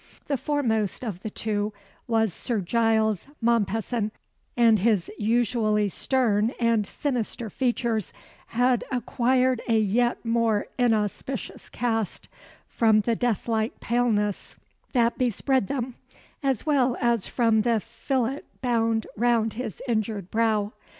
The foremost of the two was Sir Giles Mompesson, and his usually stern and sinister features had acquired a yet more inauspicious cast, from the deathlike paleness that bespread them, as well as from the fillet bound round his injured brow.